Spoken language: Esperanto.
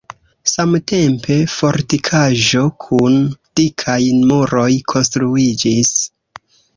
Samtempe fortikaĵo kun dikaj muroj konstruiĝis.